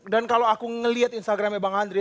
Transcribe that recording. dan kalau aku ngeliat instagramnya bang andri